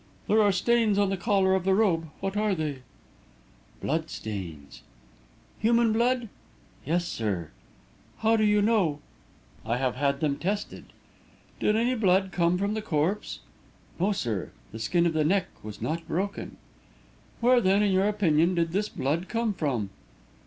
"There are stains on the collar of the robe. What are they?" "Blood stains." "Human blood?" "Yes, sir." "How do you know?" "I have had them tested." "Did any blood come from the corpse?" "No, sir; the skin of the neck was not broken." "Where, then, in your opinion, did this blood come from?"